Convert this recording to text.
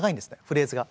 フレーズが。